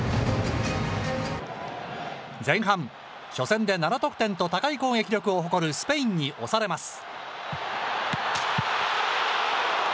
前半、初戦で７得点と高い攻撃力を誇るスペインに押されます。